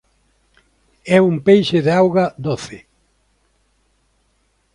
É un peixe de auga doce.